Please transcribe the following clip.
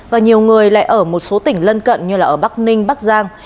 và nhiều người lại ở một số tỉnh lân cận như ở bắc ninh bắc giang